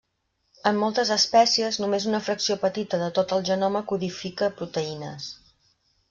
En moltes espècies, només una fracció petita de tot el genoma codifica proteïnes.